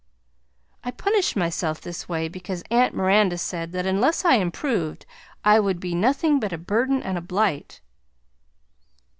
I punished myself this way because Aunt Miranda said that unless I improved I would be nothing but a Burden and a Blight.